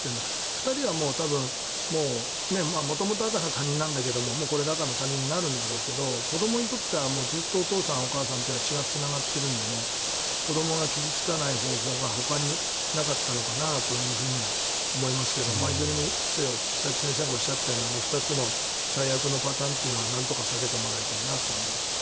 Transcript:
２人は元々、赤の他人なんだけどこれで赤の他人になるんだろうけど子どもにとってはお父さんお母さんは血がつながってるので子どもが傷付かない方法がほかになかったのかなとは思いますがいずれにせよさっき先生がおっしゃったような最悪のパターンというのはなんとか避けてもらいたいと思います。